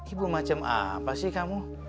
ibu macam apa sih kamu